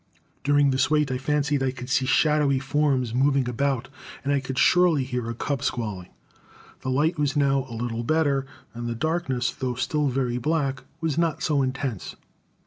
During this wait I fancied I could see shadowy forms moving about, and I could surely hear a cub squalling. The light was now a little better, and the darkness, though still very black, was not so intense.